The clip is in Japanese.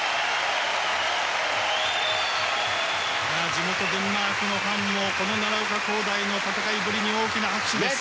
地元デンマークのファンも奈良岡功大の戦いぶりに大きな拍手です。